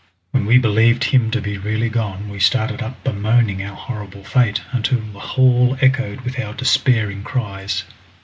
When we believed him to be really gone we started up bemoaning our horrible fate, until the hall echoed with our despairing cries.